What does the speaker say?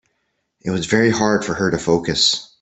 It was very hard for her to focus.